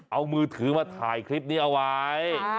เอามือถือมาถ่ายคลิปนี้เอาไว้